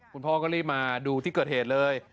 คุณพ่อก็รีบมาดูที่เกิดเหตุเลย